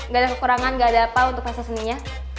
gak ada kekurangan gak ada apa untuk fase seninya